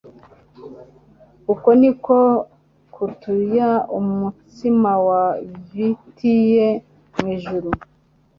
Uko niko ktuya umutsima wavtrye mu ijuru.